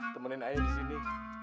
temenin aja disini